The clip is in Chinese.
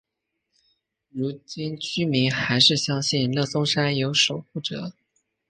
如今居民还是相信乐松山有守护者。